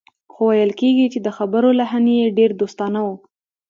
خو ویل کېږي چې د خبرو لحن یې ډېر دوستانه و